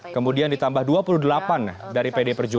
kemudian ditambah dua puluh delapan dari pdip